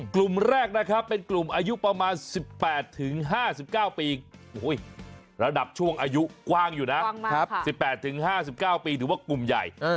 กลุ่มแรกนะครับเป็นกลุ่มอายุประมาณ๑๘๕๙ปีระดับช่วงอายุกว้างอยู่นะ๑๘๕๙ปีถือว่ากลุ่มใหญ่